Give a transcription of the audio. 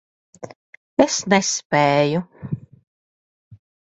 Es nespēju.